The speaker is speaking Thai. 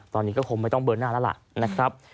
ตอนนี้ก็คงไม่ต้องเบิ้ลหน้าแล้วล่ะ